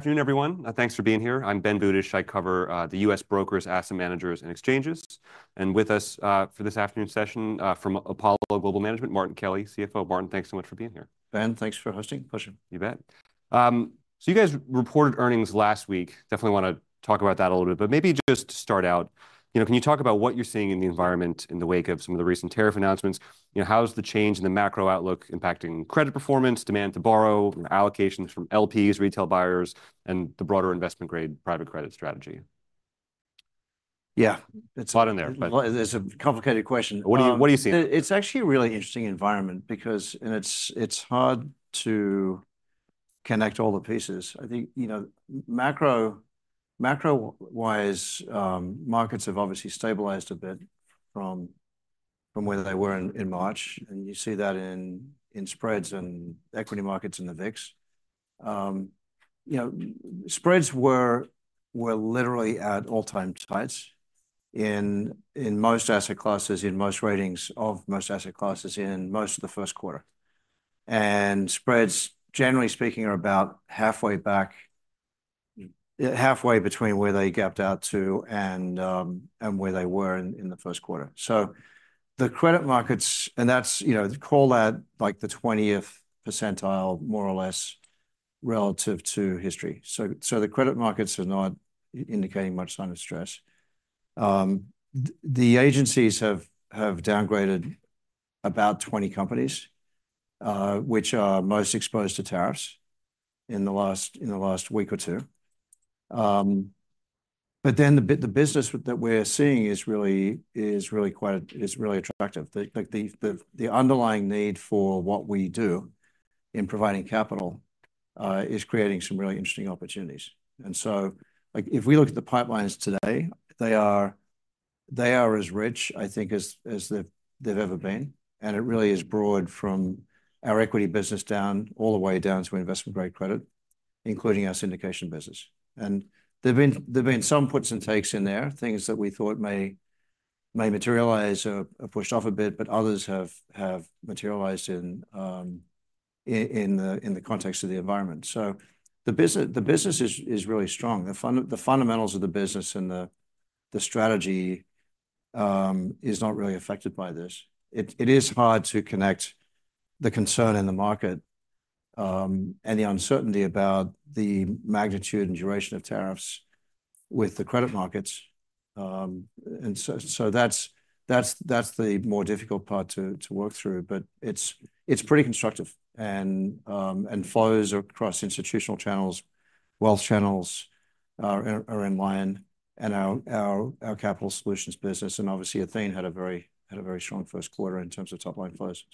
Afternoon, everyone. Thanks for being here. I'm Ben Budish. I cover the U.S. brokers, asset managers, and exchanges. With us for this afternoon session from Apollo Global Management, Martin Kelly, CFO. Martin, thanks so much for being here. Ben, thanks for hosting. Pleasure. You bet. You guys reported earnings last week. Definitely want to talk about that a little bit, but maybe just to start out, you know, can you talk about what you're seeing in the environment in the wake of some of the recent tariff announcements? You know, how's the change in the macro outlook impacting credit performance, demand to borrow, allocations from LPs, retail buyers, and the broader investment-grade private credit strategy? Yeah. It's a lot in there. It's a complicated question. What are you seeing? It's actually a really interesting environment because it's hard to connect all the pieces. I think, you know, macro-wise, markets have obviously stabilized a bit from where they were in March. You see that in spreads and equity markets and the VIX. You know, spreads were literally at all-time tights in most asset classes, in most ratings of most asset classes in most of the first quarter. Spreads, generally speaking, are about halfway back, halfway between where they gapped out to and where they were in the first quarter. The credit markets, and that's, you know, call that like the 20th percentile, more or less, relative to history. The credit markets are not indicating much sign of stress. The agencies have downgraded about 20 companies, which are most exposed to tariffs in the last week or two. The business that we're seeing is really quite attractive. The underlying need for what we do in providing capital is creating some really interesting opportunities. If we look at the pipelines today, they are as rich, I think, as they've ever been. It really is broad from our equity business all the way down to investment-grade credit, including our syndication business. There have been some puts and takes in there, things that we thought may materialize or pushed off a bit, but others have materialized in the context of the environment. The business is really strong. The fundamentals of the business and the strategy are not really affected by this. It is hard to connect the concern in the market and the uncertainty about the magnitude and duration of tariffs with the credit markets. That's the more difficult part to work through. It's pretty constructive and flows across institutional channels, wealth channels are in line, and our capital solutions business. Obviously, Athene had a very strong first quarter in terms of top-line flows.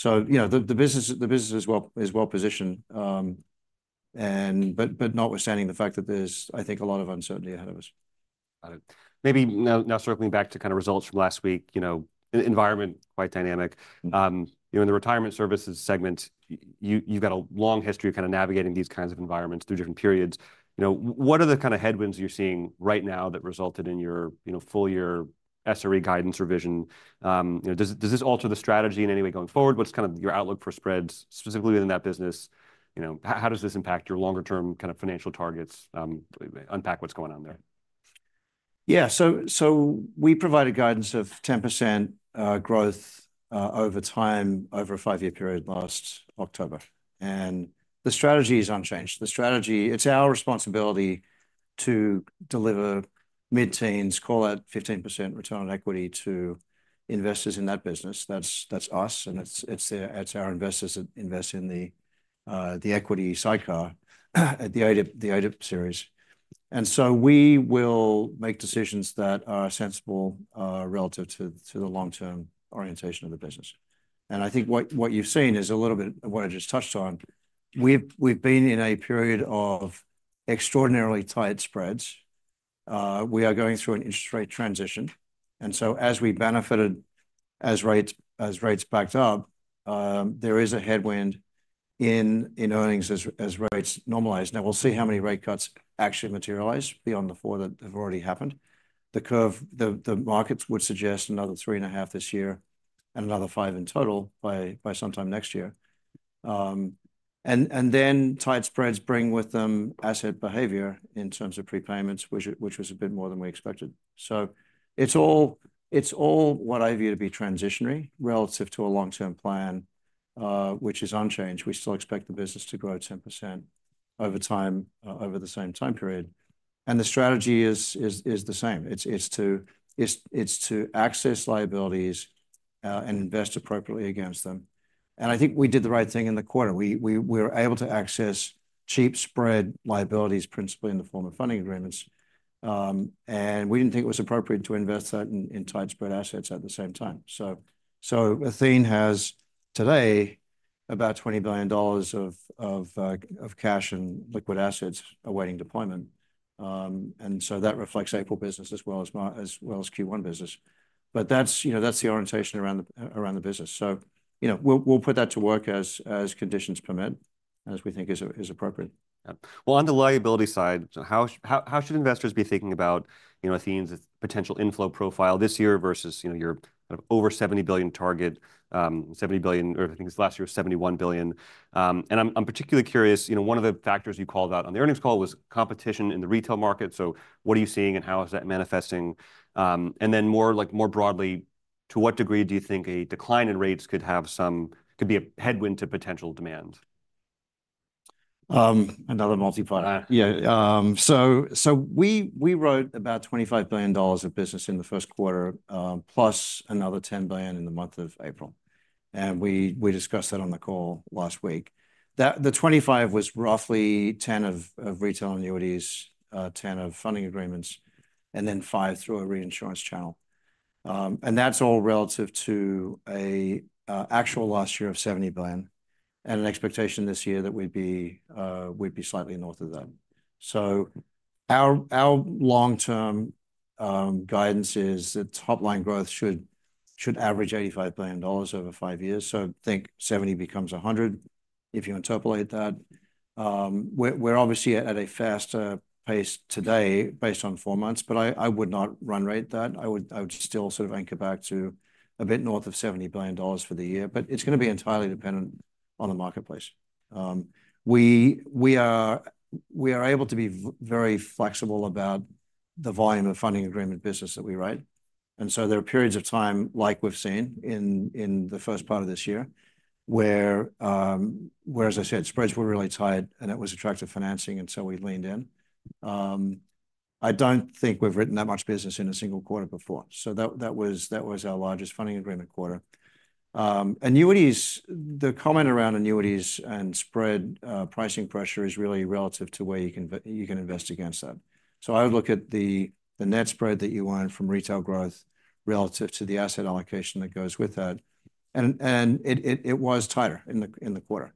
The business is well positioned, notwithstanding the fact that there's, I think, a lot of uncertainty ahead of us. Got it. Maybe now circling back to kind of results from last week, you know, environment, quite dynamic. You're in the retirement services segment. You've got a long history of kind of navigating these kinds of environments through different periods. You know, what are the kind of headwinds you're seeing right now that resulted in your full-year SRE guidance revision? Does this alter the strategy in any way going forward? What's kind of your outlook for spreads, specifically within that business? You know, how does this impact your longer-term kind of financial targets? Unpack what's going on there. Yeah. We provided guidance of 10% growth over time over a five-year period last October. The strategy is unchanged. The strategy, it's our responsibility to deliver mid-teens, call it 15% return on equity to investors in that business. That's us, and it's our investors that invest in the equity sidecar at the ODIP series. We will make decisions that are sensible relative to the long-term orientation of the business. I think what you've seen is a little bit of what I just touched on. We've been in a period of extraordinarily tight spreads. We are going through an interest rate transition. As we benefited, as rates backed up, there is a headwind in earnings as rates normalize. Now, we'll see how many rate cuts actually materialize beyond the four that have already happened. The curve, the markets would suggest another three and a half this year and another five in total by sometime next year. Tight spreads bring with them asset behavior in terms of prepayments, which was a bit more than we expected. It is all what I view to be transitionary relative to a long-term plan, which is unchanged. We still expect the business to grow 10% over time, over the same time period. The strategy is the same. It is to access liabilities and invest appropriately against them. I think we did the right thing in the quarter. We were able to access cheap spread liabilities, principally in the form of funding agreements. We did not think it was appropriate to invest that in tight spread assets at the same time. Athene has today about $20 billion of cash and liquid assets awaiting deployment. That reflects April business as well as Q1 business. That is the orientation around the business. We will put that to work as conditions permit, as we think is appropriate. On the liability side, how should investors be thinking about Athene's potential inflow profile this year versus your kind of over $70 billion target, $70 billion, or I think last year was $71 billion? I'm particularly curious, you know, one of the factors you called out on the earnings call was competition in the retail market. What are you seeing and how is that manifesting? More broadly, to what degree do you think a decline in rates could be a headwind to potential demand? Another multiplier. Yeah. We wrote about $25 billion of business in the first quarter, plus another $10 billion in the month of April. We discussed that on the call last week. The $25 was roughly 10 of retail annuities, 10 of funding agreements, and then five through a reinsurance channel. That is all relative to an actual last year of $70 billion and an expectation this year that we would be slightly north of that. Our long-term guidance is that top-line growth should average $85 billion over five years. Think $70 becomes $100 if you interpolate that. We are obviously at a faster pace today based on four months, but I would not run rate that. I would still sort of anchor back to a bit north of $70 billion for the year, but it is going to be entirely dependent on the marketplace. We are able to be very flexible about the volume of funding agreement business that we write. There are periods of time, like we've seen in the first part of this year, where, as I said, spreads were really tight and it was attractive financing, and we leaned in. I don't think we've written that much business in a single quarter before. That was our largest funding agreement quarter. Annuities, the comment around annuities and spread pricing pressure is really relative to where you can invest against that. I would look at the net spread that you earn from retail growth relative to the asset allocation that goes with that. It was tighter in the quarter.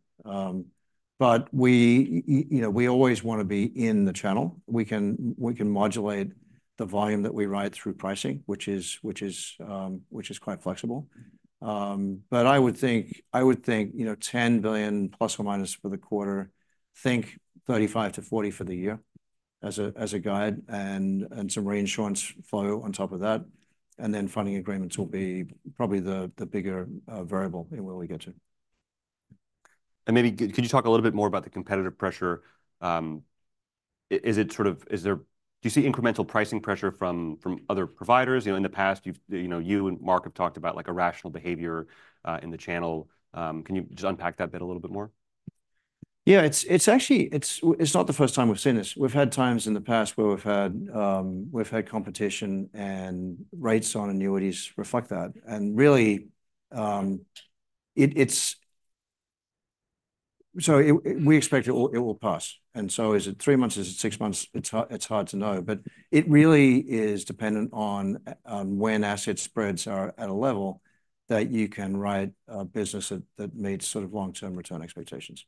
We always want to be in the channel. We can modulate the volume that we write through pricing, which is quite flexible. I would think, you know, $10 billion plus or minus for the quarter, think $35 billion-$40 billion for the year as a guide and some reinsurance flow on top of that. Funding agreements will be probably the bigger variable in where we get to. Maybe could you talk a little bit more about the competitive pressure? Is it sort of, do you see incremental pricing pressure from other providers? You know, in the past, you and Marc have talked about like a rational behavior in the channel. Can you just unpack that bit a little bit more? Yeah, it's actually, it's not the first time we've seen this. We've had times in the past where we've had competition and rates on annuities reflect that. Really, we expect it will pass. Is it three months, is it six months? It's hard to know. It really is dependent on when asset spreads are at a level that you can write a business that meets sort of long-term return expectations.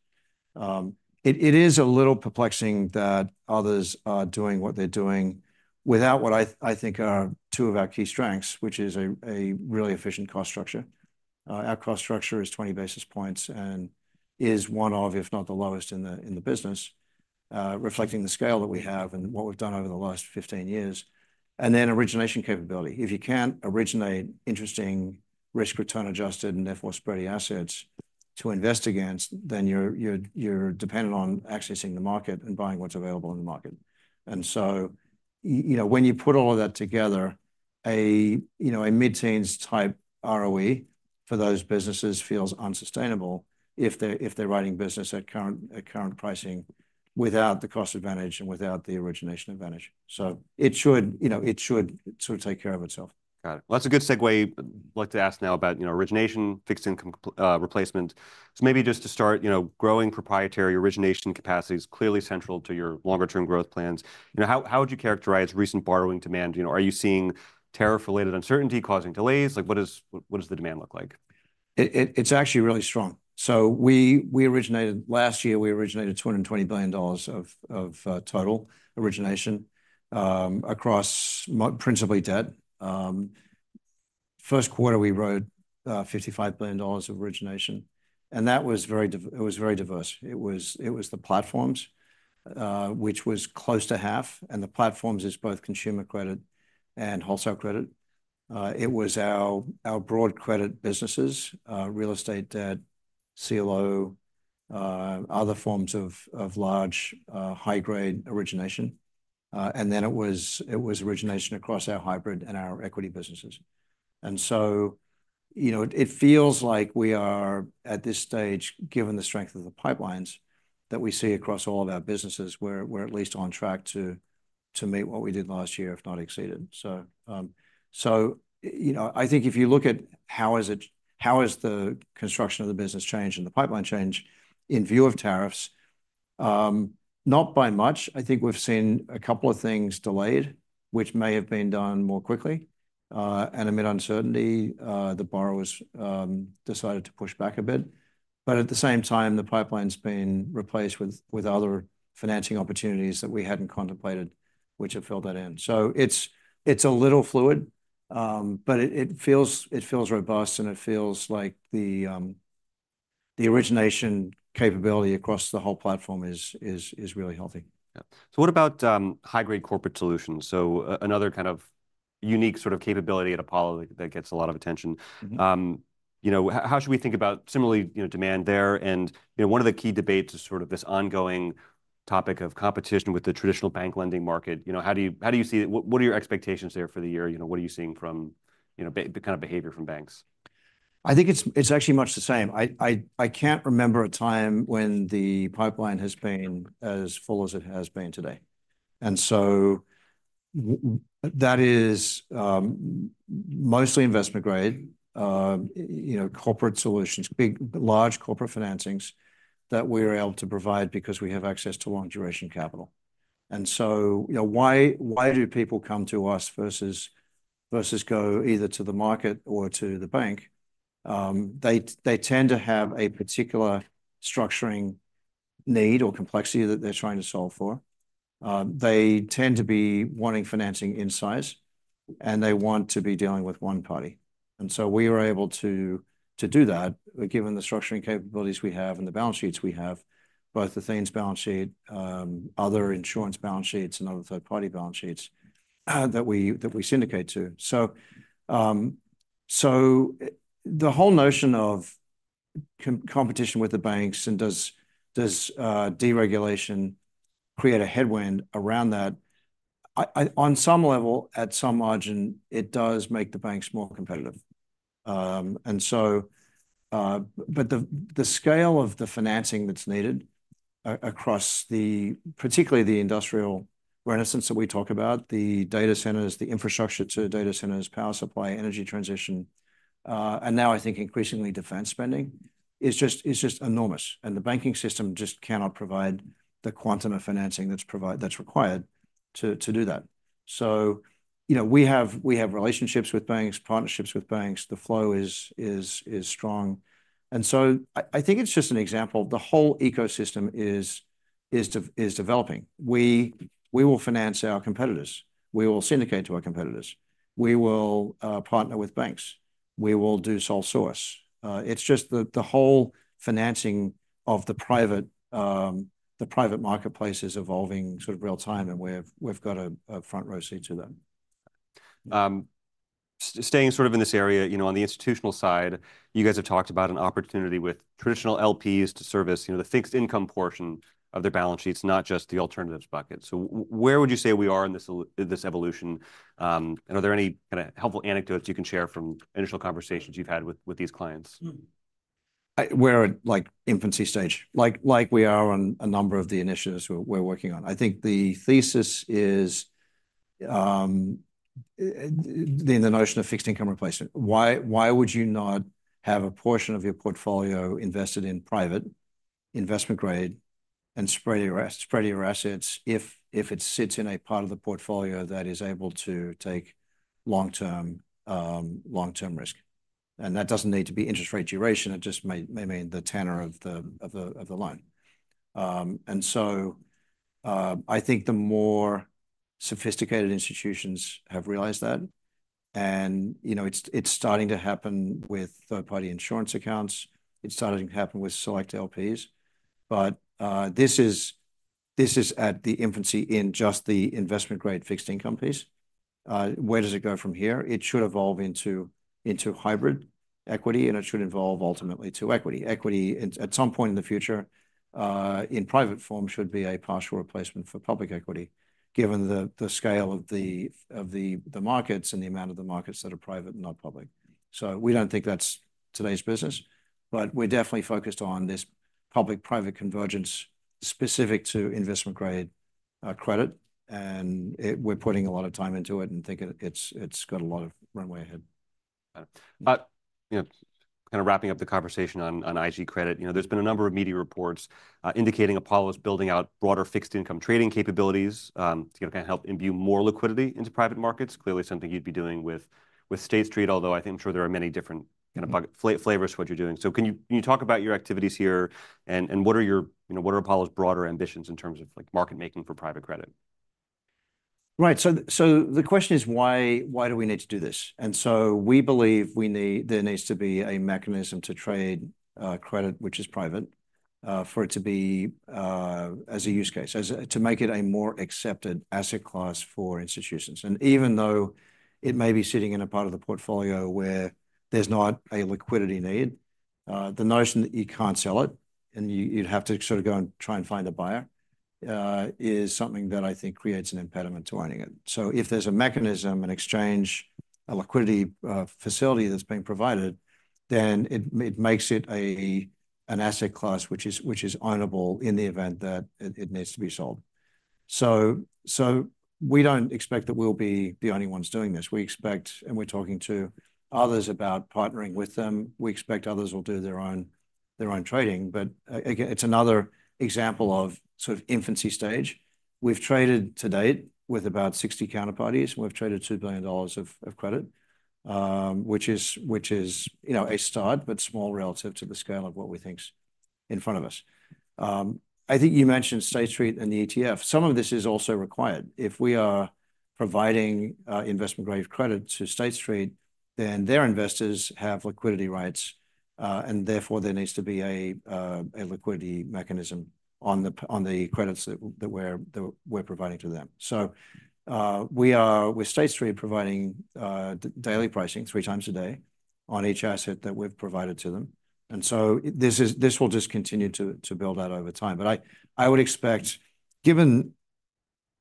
It is a little perplexing that others are doing what they're doing without what I think are two of our key strengths, which is a really efficient cost structure. Our cost structure is 20 basis points and is one of, if not the lowest in the business, reflecting the scale that we have and what we've done over the last 15 years. Then origination capability. If you can't originate interesting, risk-return adjusted, and therefore spready assets to invest against, then you're dependent on accessing the market and buying what's available in the market. You know, when you put all of that together, a mid-teens type ROE for those businesses feels unsustainable if they're writing business at current pricing without the cost advantage and without the origination advantage. It should sort of take care of itself. Got it. That is a good segue. I'd like to ask now about origination, fixed income replacement. Maybe just to start, growing proprietary origination capacity is clearly central to your longer-term growth plans. You know, how would you characterize recent borrowing demand? You know, are you seeing tariff-related uncertainty causing delays? Like, what does the demand look like? It's actually really strong. We originated last year, we originated $220 billion of total origination across principally debt. First quarter, we wrote $55 billion of origination. That was very diverse. It was the platforms, which was close to half. The platforms is both consumer credit and wholesale credit. It was our broad credit businesses, real estate, debt, CLO, other forms of large high-grade origination. Then it was origination across our hybrid and our equity businesses. You know, it feels like we are at this stage, given the strength of the pipelines that we see across all of our businesses, we're at least on track to meet what we did last year, if not exceeded. I think if you look at how has the construction of the business changed and the pipeline changed in view of tariffs, not by much. I think we've seen a couple of things delayed, which may have been done more quickly. Amid uncertainty, the borrowers decided to push back a bit. At the same time, the pipeline's been replaced with other financing opportunities that we hadn't contemplated, which have filled that in. It is a little fluid, but it feels robust and it feels like the origination capability across the whole platform is really healthy. Yeah. What about high-grade corporate solutions? Another kind of unique sort of capability at Apollo that gets a lot of attention. You know, how should we think about similarly demand there? One of the key debates is sort of this ongoing topic of competition with the traditional bank lending market. You know, how do you see it? What are your expectations there for the year? You know, what are you seeing from the kind of behavior from banks? I think it's actually much the same. I can't remember a time when the pipeline has been as full as it has been today. That is mostly investment grade, corporate solutions, large corporate financings that we are able to provide because we have access to long-duration capital. You know, why do people come to us versus go either to the market or to the bank? They tend to have a particular structuring need or complexity that they're trying to solve for. They tend to be wanting financing in size and they want to be dealing with one party. We are able to do that given the structuring capabilities we have and the balance sheets we have, both Athene's balance sheet, other insurance balance sheets, and other third-party balance sheets that we syndicate to. The whole notion of competition with the banks and does deregulation create a headwind around that? On some level, at some margin, it does make the banks more competitive. The scale of the financing that's needed across particularly the industrial renaissance that we talk about, the data centers, the infrastructure to data centers, power supply, energy transition, and now I think increasingly defense spending is just enormous. The banking system just cannot provide the quantum of financing that's required to do that. You know, we have relationships with banks, partnerships with banks. The flow is strong. I think it's just an example. The whole ecosystem is developing. We will finance our competitors. We will syndicate to our competitors. We will partner with banks. We will do sole source. It's just the whole financing of the private marketplace is evolving sort of real time and we've got a front row seat to that. Staying sort of in this area, you know, on the institutional side, you guys have talked about an opportunity with traditional LPs to service the fixed income portion of their balance sheets, not just the alternatives bucket. Where would you say we are in this evolution? Are there any kind of helpful anecdotes you can share from initial conversations you've had with these clients? We're at like infancy stage, like we are on a number of the initiatives we're working on. I think the thesis is the notion of fixed income replacement. Why would you not have a portion of your portfolio invested in private investment grade and spread your assets if it sits in a part of the portfolio that is able to take long-term risk? That doesn't need to be interest rate duration. It just may mean the tenor of the loan. I think the more sophisticated institutions have realized that. You know, it's starting to happen with third-party insurance accounts. It's starting to happen with select LPs. This is at the infancy in just the investment grade fixed income piece. Where does it go from here? It should evolve into hybrid equity and it should evolve ultimately to equity. Equity at some point in the future in private form should be a partial replacement for public equity given the scale of the markets and the amount of the markets that are private and not public. We do not think that is today's business, but we are definitely focused on this public-private convergence specific to investment grade credit. We are putting a lot of time into it and think it has got a lot of runway ahead. Got it. Kind of wrapping up the conversation on IG credit, you know, there's been a number of media reports indicating Apollo is building out broader fixed income trading capabilities to kind of help imbue more liquidity into private markets. Clearly something you'd be doing with State Street, although I'm sure there are many different kind of flavors of what you're doing. Can you talk about your activities here and what are Apollo's broader ambitions in terms of market making for private credit? Right. The question is, why do we need to do this? We believe there needs to be a mechanism to trade credit, which is private, for it to be as a use case, to make it a more accepted asset class for institutions. Even though it may be sitting in a part of the portfolio where there is not a liquidity need, the notion that you cannot sell it and you would have to sort of go and try and find a buyer is something that I think creates an impediment to owning it. If there is a mechanism, an exchange, a liquidity facility that is being provided, then it makes it an asset class which is ownable in the event that it needs to be sold. We do not expect that we will be the only ones doing this. We expect, and we're talking to others about partnering with them. We expect others will do their own trading. Again, it is another example of sort of infancy stage. We've traded to date with about 60 counterparties. We've traded $2 billion of credit, which is a start, but small relative to the scale of what we think is in front of us. I think you mentioned State Street and the ETF. Some of this is also required. If we are providing investment grade credit to State Street, then their investors have liquidity rights and therefore there needs to be a liquidity mechanism on the credits that we're providing to them. We are with State Street providing daily pricing three times a day on each asset that we've provided to them. This will just continue to build out over time. I would expect, given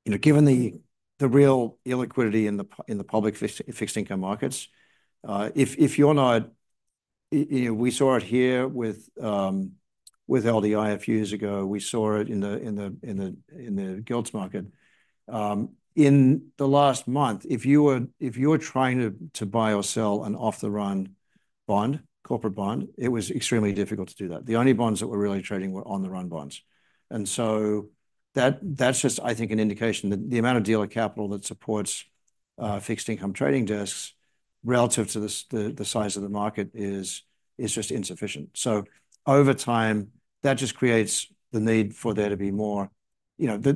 the real illiquidity in the public fixed income markets, if you're not, you know, we saw it here with LDI a few years ago. We saw it in the golds market. In the last month, if you were trying to buy or sell an off-the-run bond, corporate bond, it was extremely difficult to do that. The only bonds that were really trading were on-the-run bonds. That is just, I think, an indication that the amount of dealer capital that supports fixed income trading desks relative to the size of the market is just insufficient. Over time, that just creates the need for there to be more, you know, the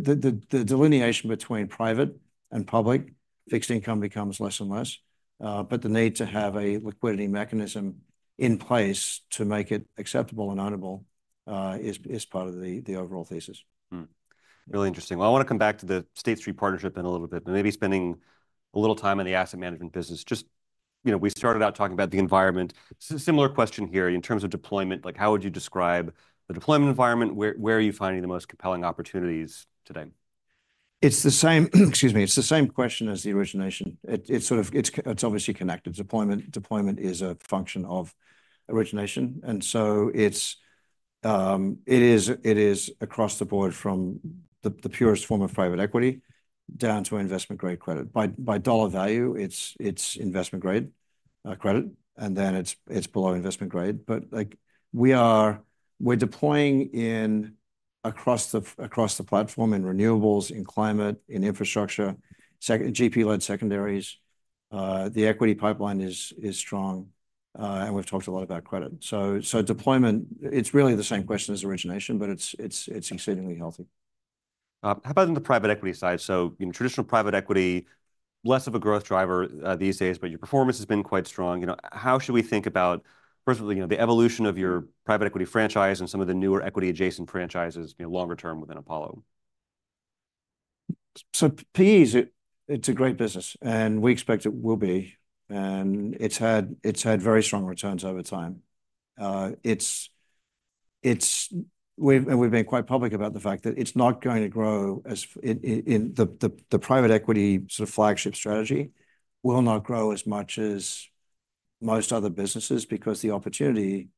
delineation between private and public fixed income becomes less and less. The need to have a liquidity mechanism in place to make it acceptable and ownable is part of the overall thesis. Really interesting. I want to come back to the State Street partnership in a little bit, but maybe spending a little time in the asset management business. Just, you know, we started out talking about the environment. Similar question here in terms of deployment, like how would you describe the deployment environment? Where are you finding the most compelling opportunities today? It's the same, excuse me, it's the same question as the origination. It's obviously connected. Deployment is a function of origination. It is across the board from the purest form of private equity down to investment grade credit. By dollar value, it's investment grade credit. Then it's below investment grade. We're deploying across the platform in renewables, in climate, in infrastructure, GP-led secondaries. The equity pipeline is strong. We've talked a lot about credit. Deployment, it's really the same question as origination, but it's exceedingly healthy. How about on the private equity side? Traditional private equity, less of a growth driver these days, but your performance has been quite strong. How should we think about, first of all, the evolution of your private equity franchise and some of the newer equity-adjacent franchises longer term within Apollo? PEs, it's a great business and we expect it will be. It's had very strong returns over time. We've been quite public about the fact that it's not going to grow as the private equity sort of flagship strategy will not grow as much as most other businesses because the opportunity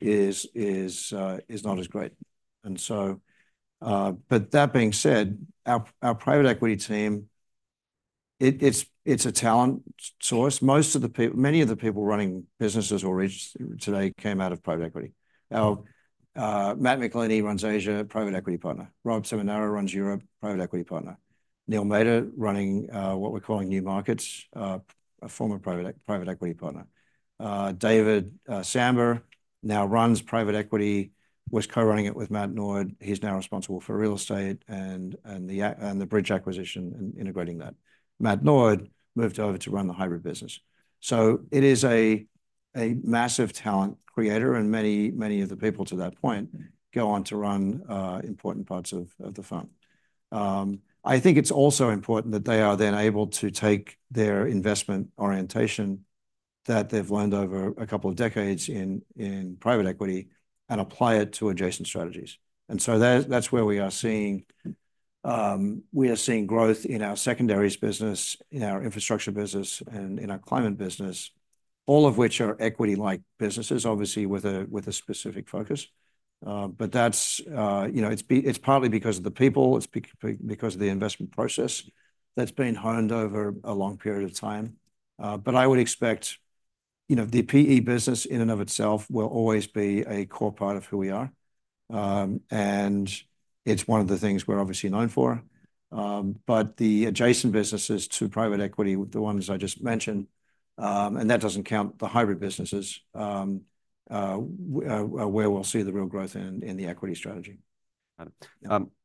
is not as great. That being said, our private equity team, it's a talent source. Many of the people running businesses or regions today came out of private equity. Matt Michelini runs Asia, private equity partner. Rob Seminara runs Europe, private equity partner. Niall Matter running what we're calling new markets, a former private equity partner. David Sambur now runs private equity, was co-running it with Matt Nord. He's now responsible for real estate and the bridge acquisition and integrating that. Matt Nord moved over to run the hybrid business. It is a massive talent creator and many, many of the people to that point go on to run important parts of the firm. I think it's also important that they are then able to take their investment orientation that they've learned over a couple of decades in private equity and apply it to adjacent strategies. That is where we are seeing growth in our secondaries business, in our infrastructure business, and in our climate business, all of which are equity-like businesses, obviously with a specific focus. That is, you know, it's partly because of the people, it's because of the investment process that's been honed over a long period of time. I would expect, you know, the PE business in and of itself will always be a core part of who we are. It's one of the things we're obviously known for. The adjacent businesses to private equity, the ones I just mentioned, and that does not count the hybrid businesses where we will see the real growth in the equity strategy.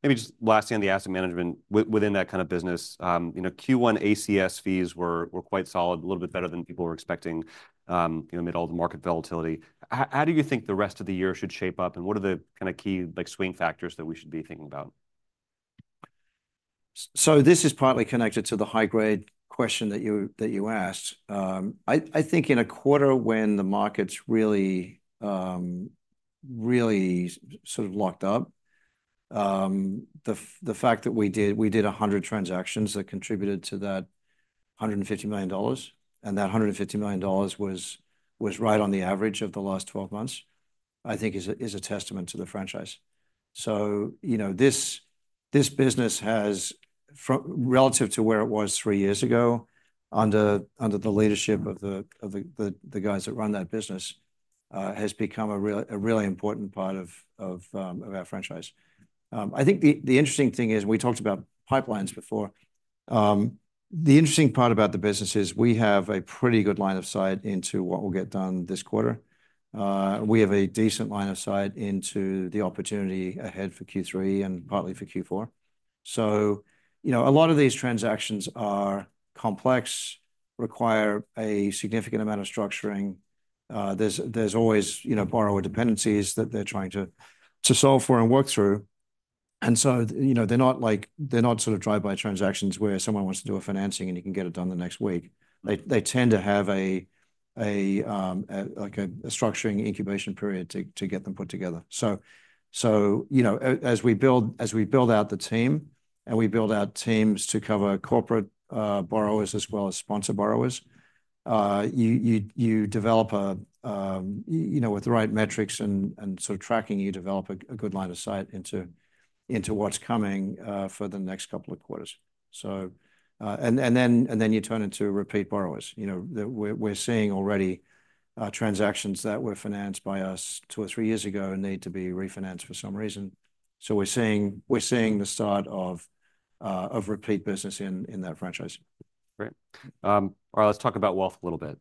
Maybe just lastly on the asset management within that kind of business, you know, Q1 ACS fees were quite solid, a little bit better than people were expecting, you know, mid-old market volatility. How do you think the rest of the year should shape up and what are the kind of key swing factors that we should be thinking about? This is partly connected to the high-grade question that you asked. I think in a quarter when the markets really sort of locked up, the fact that we did 100 transactions that contributed to that $150 million, and that $150 million was right on the average of the last 12 months, I think is a testament to the franchise. You know, this business has, relative to where it was three years ago under the leadership of the guys that run that business, become a really important part of our franchise. I think the interesting thing is, and we talked about pipelines before, the interesting part about the business is we have a pretty good line of sight into what we'll get done this quarter. We have a decent line of sight into the opportunity ahead for Q3 and partly for Q4. You know, a lot of these transactions are complex, require a significant amount of structuring. There's always, you know, borrower dependencies that they're trying to solve for and work through. You know, they're not like sort of drive-by transactions where someone wants to do a financing and you can get it done the next week. They tend to have like a structuring incubation period to get them put together. You know, as we build out the team and we build out teams to cover corporate borrowers as well as sponsor borrowers, you develop, you know, with the right metrics and sort of tracking, you develop a good line of sight into what's coming for the next couple of quarters. You turn into repeat borrowers. You know, we're seeing already transactions that were financed by us two or three years ago need to be refinanced for some reason. So we're seeing the start of repeat business in that franchise. Great. All right, let's talk about wealth a little bit.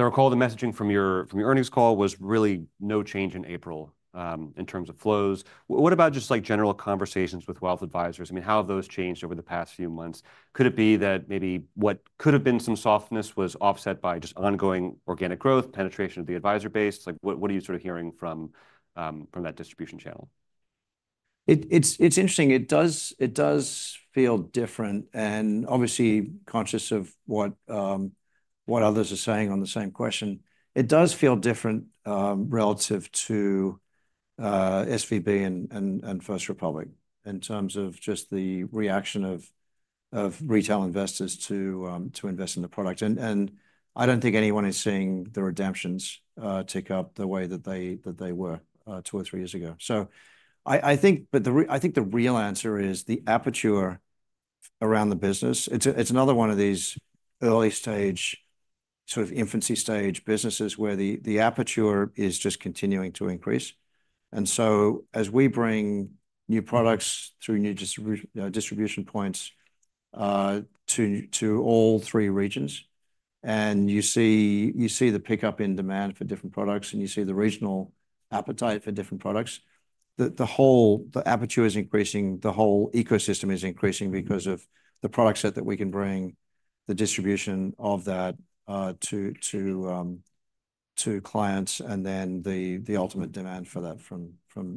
I recall the messaging from your earnings call was really no change in April in terms of flows. What about just like general conversations with wealth advisors? I mean, how have those changed over the past few months? Could it be that maybe what could have been some softness was offset by just ongoing organic growth, penetration of the advisor base? Like what are you sort of hearing from that distribution channel? It's interesting. It does feel different. Obviously conscious of what others are saying on the same question, it does feel different relative to SVB and First Republic in terms of just the reaction of retail investors to invest in the product. I don't think anyone is seeing the redemptions tick up the way that they were two or three years ago. I think the real answer is the aperture around the business. It's another one of these early stage, sort of infancy stage businesses where the aperture is just continuing to increase. As we bring new products through new distribution points to all three regions, and you see the pickup in demand for different products and you see the regional appetite for different products, the aperture is increasing, the whole ecosystem is increasing because of the product set that we can bring, the distribution of that to clients and then the ultimate demand for that from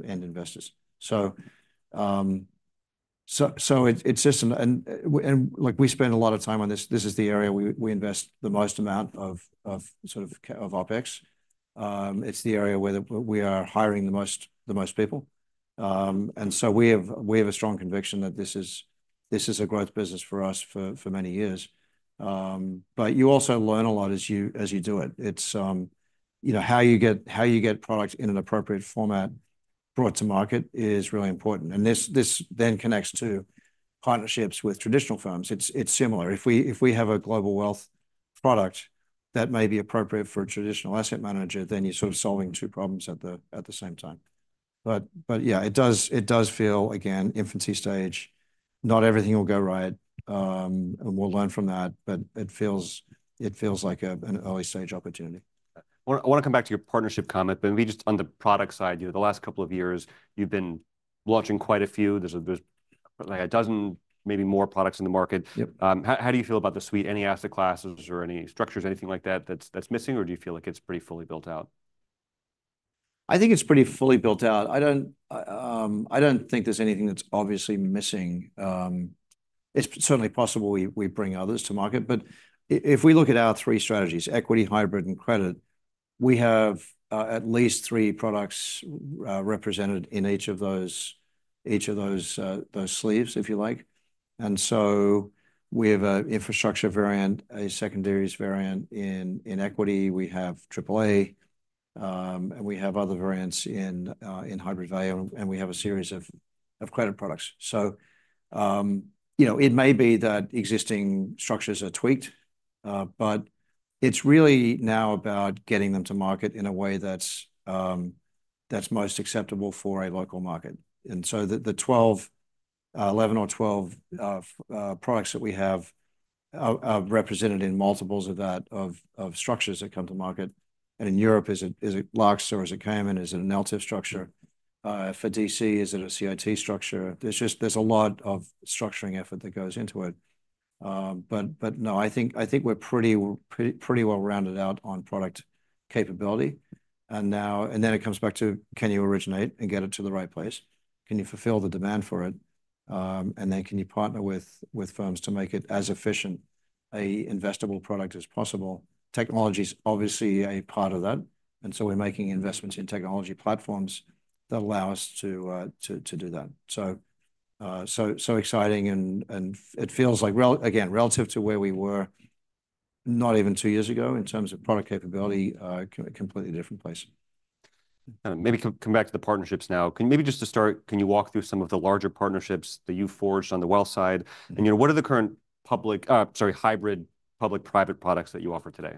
end investors. It is just, and like we spend a lot of time on this, this is the area we invest the most amount of sort of OpEx. It is the area where we are hiring the most people. We have a strong conviction that this is a growth business for us for many years. You also learn a lot as you do it. You know, how you get products in an appropriate format brought to market is really important. This then connects to partnerships with traditional firms. It's similar. If we have a global wealth product that may be appropriate for a traditional asset manager, then you're sort of solving two problems at the same time. Yeah, it does feel, again, infancy stage. Not everything will go right and we'll learn from that, but it feels like an early stage opportunity. I want to come back to your partnership comment, but maybe just on the product side, you know, the last couple of years you've been launching quite a few. There's like a dozen, maybe more products in the market. How do you feel about the suite? Any asset classes or any structures, anything like that that's missing or do you feel like it's pretty fully built out? I think it's pretty fully built out. I don't think there's anything that's obviously missing. It's certainly possible we bring others to market. If we look at our three strategies, equity, hybrid, and credit, we have at least three products represented in each of those sleeves, if you like. We have an infrastructure variant, a secondaries variant in equity. We have AAA, and we have other variants in hybrid value, and we have a series of credit products. You know, it may be that existing structures are tweaked, but it's really now about getting them to market in a way that's most acceptable for a local market. The 11 or 12 products that we have are represented in multiples of that of structures that come to market. In Europe, is it Larkspur? Is it Cayman? Is it an LTIF structure? For DC, is it a CIT structure? There is a lot of structuring effort that goes into it. No, I think we are pretty well rounded out on product capability. It comes back to, can you originate and get it to the right place? Can you fulfill the demand for it? Can you partner with firms to make it as efficient, an investable product as possible? Technology is obviously a part of that. We are making investments in technology platforms that allow us to do that. Exciting. It feels like, again, relative to where we were not even two years ago in terms of product capability, completely different place. Maybe come back to the partnerships now. Maybe just to start, can you walk through some of the larger partnerships that you've forged on the wealth side? And you know, what are the current public, sorry, hybrid public-private products that you offer today?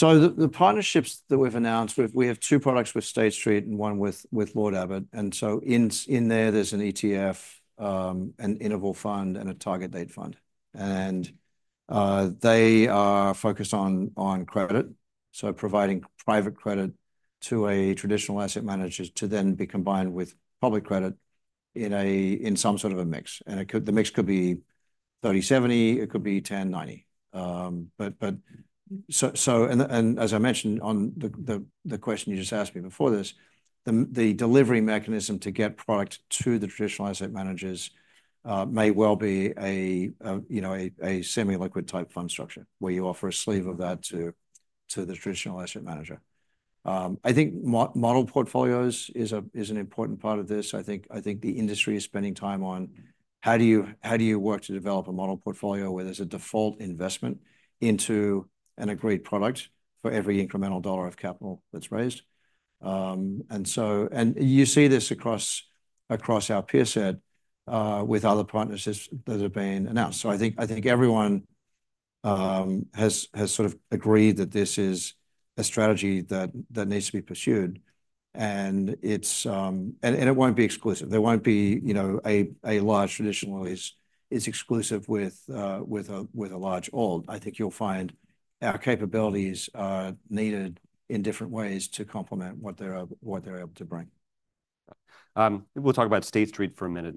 The partnerships that we've announced, we have two products with State Street and one with Lord Abbett. In there, there's an ETF, an interval fund, and a target date fund. They are focused on credit. Providing private credit to a traditional asset manager to then be combined with public credit in some sort of a mix. The mix could be 30-70, it could be 10-90. As I mentioned on the question you just asked me before this, the delivery mechanism to get product to the traditional asset managers may well be a semi-liquid type fund structure where you offer a sleeve of that to the traditional asset manager. I think model portfolios is an important part of this. I think the industry is spending time on how do you work to develop a model portfolio where there's a default investment into an agreed product for every incremental dollar of capital that's raised. You see this across our peer set with other partners that have been announced. I think everyone has sort of agreed that this is a strategy that needs to be pursued. It won't be exclusive. There won't be a large traditionalist exclusive with a large old. I think you'll find our capabilities are needed in different ways to complement what they're able to bring. We'll talk about State Street for a minute.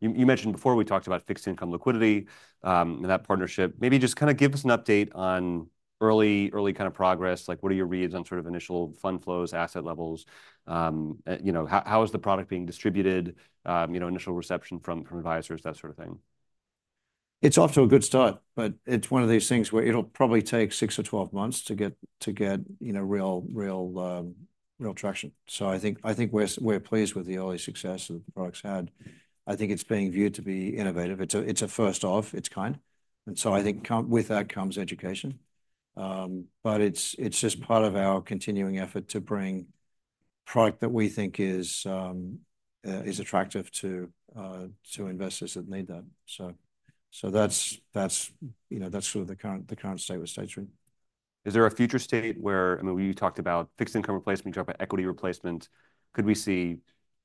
You mentioned before we talked about fixed income liquidity and that partnership. Maybe just kind of give us an update on early kind of progress. Like what are your reads on sort of initial fund flows, asset levels? You know, how is the product being distributed? You know, initial reception from advisors, that sort of thing. It's off to a good start, but it's one of these things where it'll probably take six or twelve months to get real traction. I think we're pleased with the early success the product's had. I think it's being viewed to be innovative. It's a first of its kind. With that comes education. It's just part of our continuing effort to bring product that we think is attractive to investors that need that. That's sort of the current state with State Street. Is there a future state where, I mean, we talked about fixed income replacement, you talked about equity replacement, could we see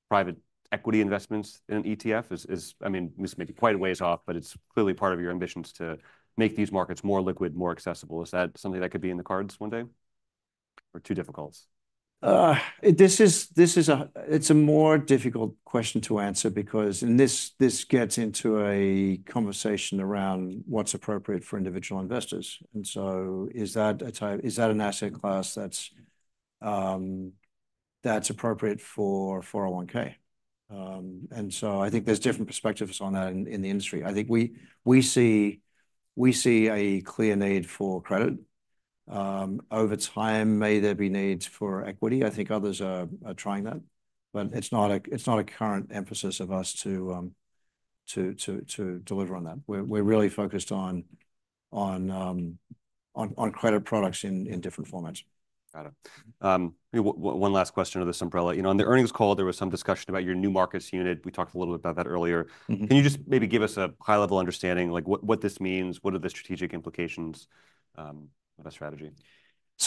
private equity investments in an ETF? I mean, this may be quite a ways off, but it's clearly part of your ambitions to make these markets more liquid, more accessible. Is that something that could be in the cards one day or too difficult? It's a more difficult question to answer because this gets into a conversation around what's appropriate for individual investors. Is that an asset class that's appropriate for 401(k)? I think there's different perspectives on that in the industry. I think we see a clear need for credit. Over time, may there be needs for equity. I think others are trying that, but it's not a current emphasis of us to deliver on that. We're really focused on credit products in different formats. Got it. One last question of this umbrella. You know, on the earnings call, there was some discussion about your new markets unit. We talked a little bit about that earlier. Can you just maybe give us a high-level understanding like what this means? What are the strategic implications of that strategy?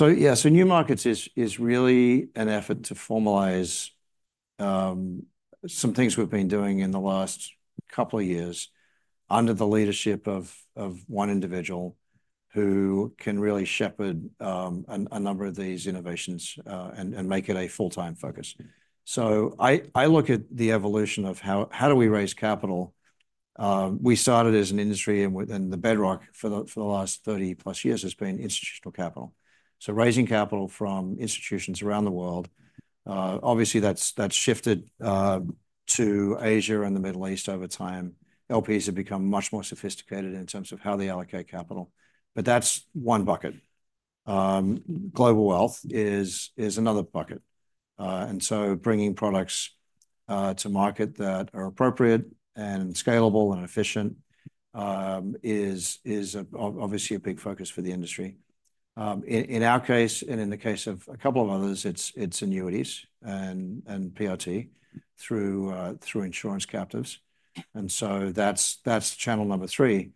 Yeah, new markets is really an effort to formalize some things we've been doing in the last couple of years under the leadership of one individual who can really shepherd a number of these innovations and make it a full-time focus. I look at the evolution of how do we raise capital. We started as an industry and the bedrock for the last 30 plus years has been institutional capital. Raising capital from institutions around the world, obviously that's shifted to Asia and the Middle East over time. LPs have become much more sophisticated in terms of how they allocate capital. That's one bucket. Global wealth is another bucket. Bringing products to market that are appropriate and scalable and efficient is obviously a big focus for the industry. In our case and in the case of a couple of others, it's annuities and PRT through insurance captives. That is channel number three.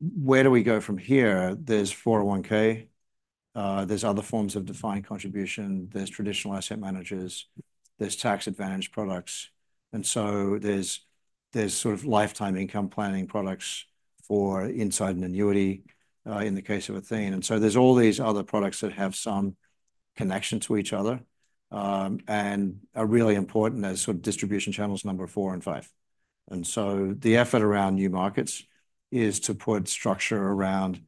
Where do we go from here? There is 401(k). There are other forms of defined contribution. There are traditional asset managers. There are tax-advantaged products. There are sort of lifetime income planning products for inside an annuity in the case of Athene. There are all these other products that have some connection to each other and are really important as distribution channels number four and five. The effort around new markets is to put structure around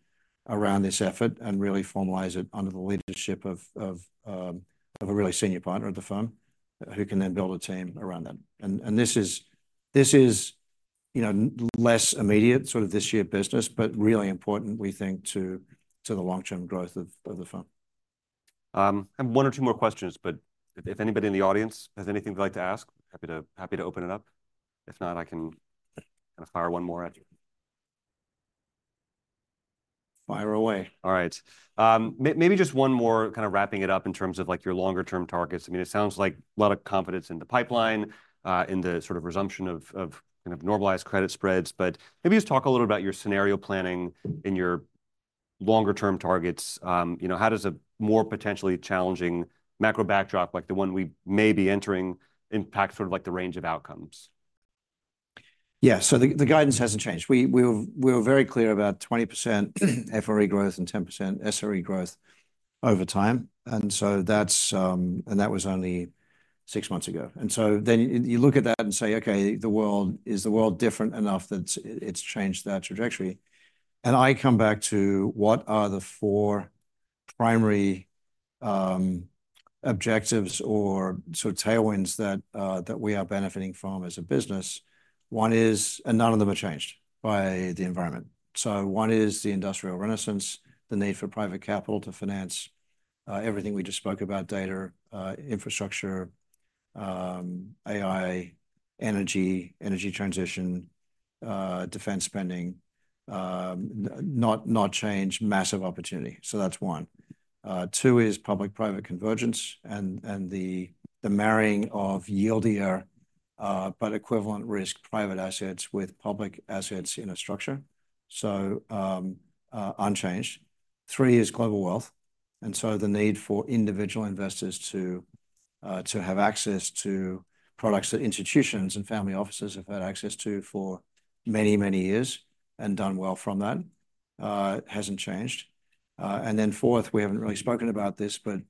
this effort and really formalize it under the leadership of a really senior partner of the firm who can then build a team around that. This is less immediate this year business, but really important, we think, to the long-term growth of the firm. I have one or two more questions, but if anybody in the audience has anything they'd like to ask, happy to open it up. If not, I can fire one more at you. Fire away. All right. Maybe just one more kind of wrapping it up in terms of like your longer-term targets. I mean, it sounds like a lot of confidence in the pipeline, in the sort of resumption of kind of normalized credit spreads, but maybe just talk a little about your scenario planning in your longer-term targets. You know, how does a more potentially challenging macro backdrop like the one we may be entering impact sort of like the range of outcomes? Yeah, so the guidance hasn't changed. We were very clear about 20% FRE growth and 10% SRE growth over time. That was only six months ago. You look at that and say, okay, is the world different enough that it's changed that trajectory? I come back to what are the four primary objectives or sort of tailwinds that we are benefiting from as a business. One is, and none of them are changed by the environment. One is the industrial renaissance, the need for private capital to finance everything we just spoke about, data, infrastructure, AI, energy, energy transition, defense spending, not changed, massive opportunity. That's one. Two is public-private convergence and the marrying of yieldier, but equivalent risk private assets with public assets in a structure. Unchanged. Three is global wealth. The need for individual investors to have access to products that institutions and family offices have had access to for many, many years and done well from that has not changed. Fourth, we have not really spoken about this, but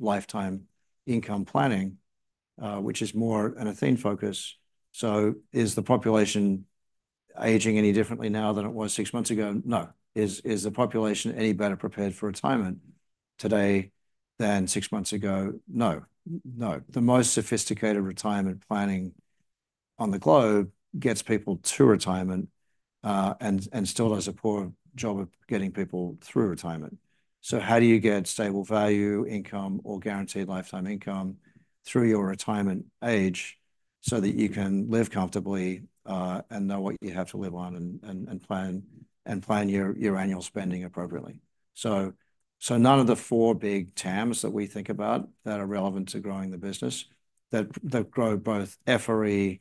lifetime income planning, which is more an Athene focus. Is the population aging any differently now than it was six months ago? No. Is the population any better prepared for retirement today than six months ago? No. The most sophisticated retirement planning on the globe gets people to retirement and still does a poor job of getting people through retirement. How do you get stable value income or guaranteed lifetime income through your retirement age so that you can live comfortably and know what you have to live on and plan your annual spending appropriately? None of the four big TAMs that we think about that are relevant to growing the business, that grow both FRE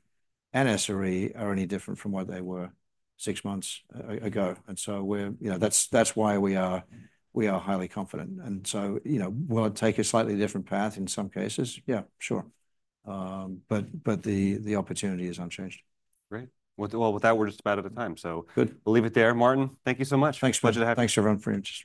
and SRE are any different from what they were six months ago. That is why we are highly confident. You know, will it take a slightly different path in some cases? Yeah, sure. The opportunity is unchanged. Great. With that, we're just about out of time. So we'll leave it there. Martin, thank you so much. Thanks for having me. Thanks everyone for.